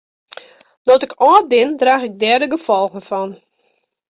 No't ik âld bin draach ik dêr de gefolgen fan.